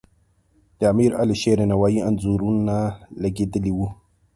د امیر علیشیر نوایي انځورونه لګیدلي وو.